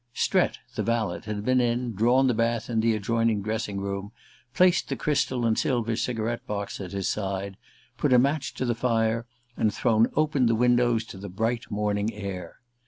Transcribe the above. Strett, the valet, had been in, drawn the bath in the adjoining dressing room, placed the crystal and silver cigarette box at his side, put a match to the fire, and thrown open the windows to the bright morning air.